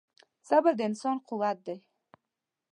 • صبر د انسان قوت دی.